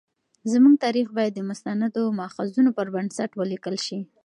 زموږ تاریخ باید د مستندو مأخذونو پر بنسټ ولیکل شي.